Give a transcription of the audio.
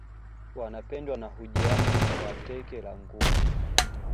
Wanapendwa na hujihami kwa teke la nguvu